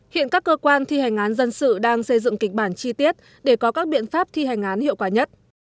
hiện các cơ quan thi hành án dân sự đang xây dựng kịch bản chi tiết để có các biện pháp thi hành án hiệu quả nhất